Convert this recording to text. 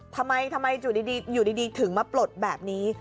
ทำไมอยู่ดีถึงมาปลดแบบนี้